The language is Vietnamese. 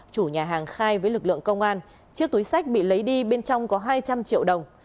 chủ nhà hàng khai với lực lượng công an chiếc túi sách bị lấy đi bên trong có hai trăm linh triệu đồng